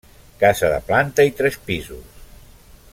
Casa de planta i tres pisos.